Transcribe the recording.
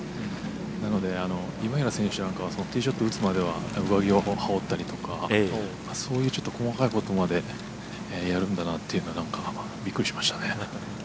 なので今平選手なんかはティーショット打つまでは上着を羽織ったりとかそういう細かいことまでやるんだなというのはびっくりしましたね。